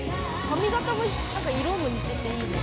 髪形も色も似てていいね。